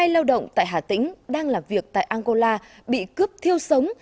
hai lao động tại hà tĩnh đang làm việc tại angola bị cướp thiêu sống